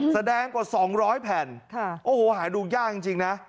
แสดงกว่า๒๐๐แผ่นโอ้โหหาดูยากจริงนะ